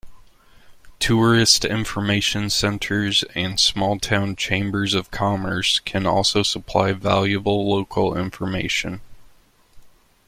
Tourist information centers and small-town chambers of commerce can also supply valuable local information.